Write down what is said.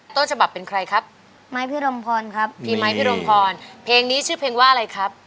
ต้นฉบับเป็นใครครับไม้พี่รมพรครับพี่ไม้พี่รมพรเพลงนี้ชื่อเพลงว่าอะไรครับ